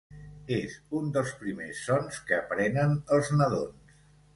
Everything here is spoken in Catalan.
És un dels primers sons que aprenen els nadons.